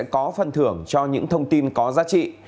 có phần thưởng cho những thông tin có giá trị